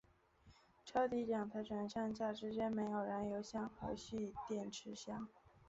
车底两台转向架之间设有燃油箱和蓄电池箱。